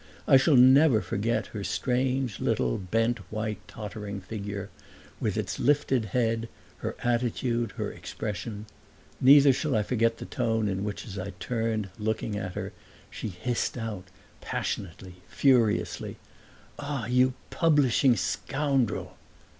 I never shall forget her strange little bent white tottering figure, with its lifted head, her attitude, her expression; neither shall I forget the tone in which as I turned, looking at her, she hissed out passionately, furiously: "Ah, you publishing scoundrel!"